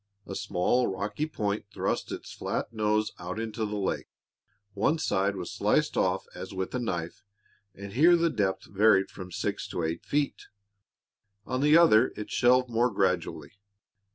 A small, rocky point thrust its flat nose out into the lake. One side was sliced off as with a knife, and here the depth varied from six to eight feet; on the other it shelved more gradually.